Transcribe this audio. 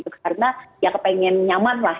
karena ya kepengen nyaman lah